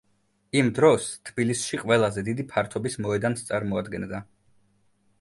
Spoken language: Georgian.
იმ დროს თბილისში ყველაზე დიდი ფართობის მოედანს წარმოადგენდა.